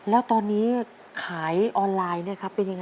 แต่ที่แม่ก็รักลูกมากทั้งสองคน